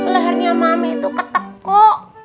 lehernya mami tuh ketek kok